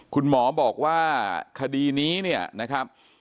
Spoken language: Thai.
คุณหมอบอกว่าคดีนี้เนี่ยนะครับ